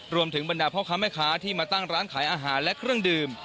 รวมถึงบรรดาพพคที่มาตั้งร้านขายอาหารและเครื่องดื่ม